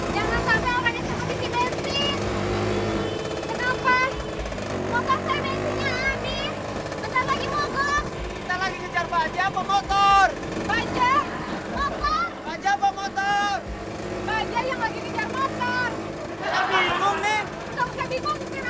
jangan sampai orang ada yang habisi bensin